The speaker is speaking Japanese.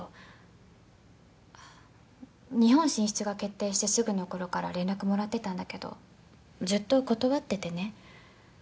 日本進出が決定してすぐの頃から連絡もらってたんだけどずっと断っててね。